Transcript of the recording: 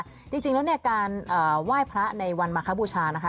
จริงแล้วเนี่ยการไหว้พระในวันมาคบูชานะคะ